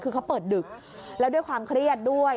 คือเขาเปิดดึกแล้วด้วยความเครียดด้วย